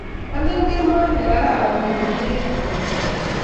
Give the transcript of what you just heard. alen kemoi ne karan ipir peek anan nee